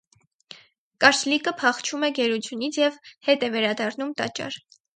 Կարճլիկը փախչում է գերությունից և հետ է վերադառնում տաճար։